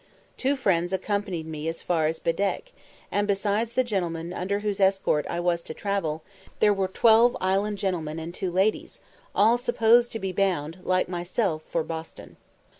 Two friends accompanied me as far as Bedeque, and, besides the gentleman under whose escort I was to travel, there were twelve island gentlemen and two ladies, all supposed to be bound, like myself, for Boston.